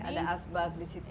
ada asbak di situ vas benda